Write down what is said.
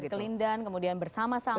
berkelindan kemudian bersama sama